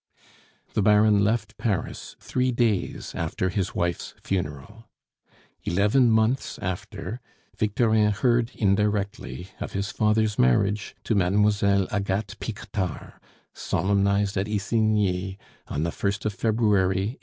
The Baron left Paris three days after his wife's funeral. Eleven months after Victorin heard indirectly of his father's marriage to Mademoiselle Agathe Piquetard, solemnized at Isigny, on the 1st February 1846.